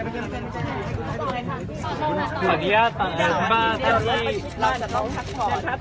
เราเป็นบินบ่าเยี่ยงแล้วน้องพักพอครับ